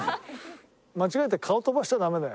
間違えて顔飛ばしちゃダメだよ。